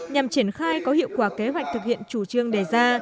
nhằm triển khai có hiệu quả kế hoạch thực hiện chủ trương đề ra